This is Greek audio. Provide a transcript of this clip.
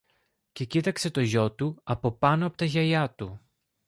και κοίταξε το γιο του από πάνω από τα γυαλιά του.